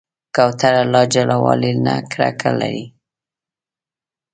کوتره له جلاوالي نه کرکه لري.